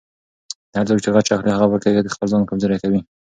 هر څوک چې غچ اخلي، هغه په حقیقت کې خپل ځان کمزوری کوي.